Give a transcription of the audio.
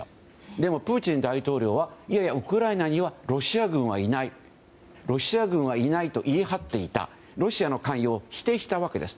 でもプーチン大統領はいやいや、ウクライナにはロシア軍はいないと言い張ってロシアの関与を否定したわけです。